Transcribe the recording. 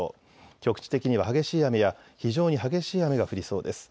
局地的には激しい雨や非常に激しい雨が降りそうです。